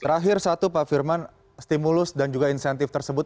terakhir satu pak firman stimulus dan juga insentif tersebut